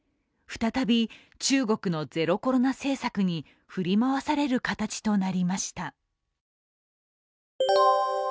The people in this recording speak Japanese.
再び中国のゼロコロナ政策に振り回される形となりました。